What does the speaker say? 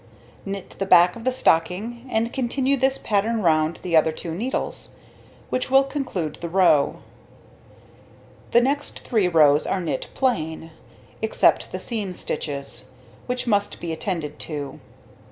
Knit the back of the stocking, and continue this pattern round the other two needles, which will conclude the row. The next 3 rows are knit plain, except the seam stitches, which must be attended to.